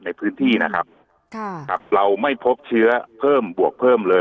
ในพื้นที่นะครับค่ะครับเราไม่พบเชื้อเพิ่มบวกเพิ่มเลย